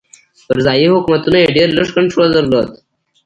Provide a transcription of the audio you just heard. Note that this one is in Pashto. پر ځايي حکومتونو یې ډېر لږ کنټرول درلود.